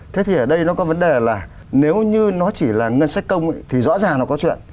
thế thì ở đây nó có vấn đề là nếu như nó chỉ là ngân sách công thì rõ ràng nó có chuyện